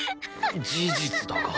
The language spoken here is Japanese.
事実だが。